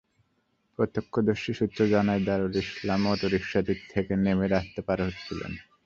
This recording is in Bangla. প্রত্যক্ষদর্শী সূত্র জানায়, দারুল ইসলাম অটোরিকশাটি থেকে নেমে রাস্তা পার হচ্ছিলেন।